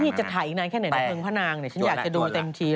นี่จะถ่ายอีกนานแค่ไหนนะเพราะว่านางเนี่ยฉันอยากจะดูเต็มทีเลย